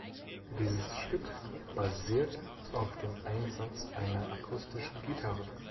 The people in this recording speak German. Dieses Stück basiert auf dem Einsatz einer akustischen Gitarre.